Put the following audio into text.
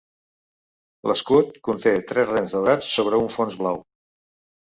L'escut conté tres rems daurats sobre un fons blau.